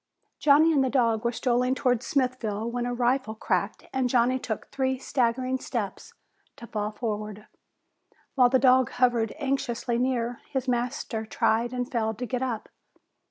Johnny and the dog were strolling toward Smithville when a rifle cracked and Johnny took three staggering steps to fall forward. While the dog hovered anxiously near, his master tried and failed to get up.